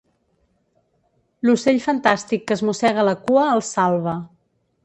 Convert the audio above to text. L'ocell fantàstic que es mossega la cua els salva.